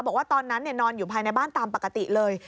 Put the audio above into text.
บอกว่าตอนนั้นนอนอยู่ภายในบ้านตามปกติเลย